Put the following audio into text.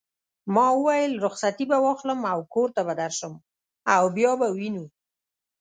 ما وویل: رخصتې به واخلم او کور ته به درشم او بیا به وینو.